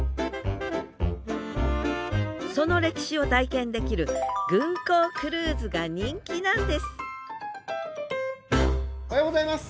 その歴史を体験できる軍港クルーズが人気なんですおはようございます。